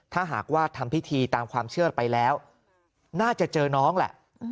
ถ้าหากว่าทำพิธีตามความเชื่อไปแล้วน่าจะเจอน้องแหละ